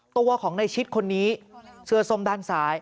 ตัวของในชิดคนนี้เสื้อส้มด้านซ้าย